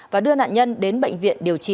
và đưa nạn nhân đến bệnh viện điều trị